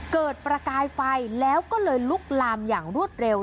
เกิดประกายไฟแล้วก็เลยลุกลามอย่างรวดเร็ว